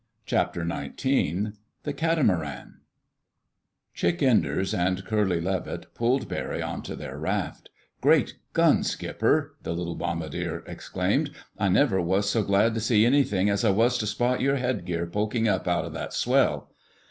CHAPTER NINETEEN THE CATAMARAN Chick Enders and Curly Levitt pulled Barry onto their raft. "Great guns, Skipper!" the little bombardier exclaimed. "I never was so glad to see anything as I was to spot your headgear poking up out of that swell!"